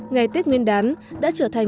ngày tết nguyên đán đã trở thành